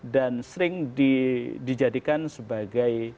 dan sering dijadikan sebagai